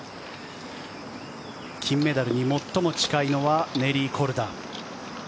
金メダルに最も近いのはネリー・コルダ。